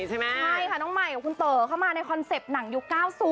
ใช่ค่ะน้องใหม่กับคุณเต๋อเข้ามาในคอนเซ็ปต์หนังยุค๙๐